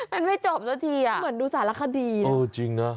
มันไม่จบได้ครับที